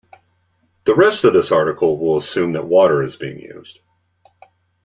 The rest of this article will assume that water is being used.